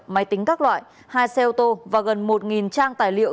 máy tính các loại hai xe ô tô và gần một trang tài liệu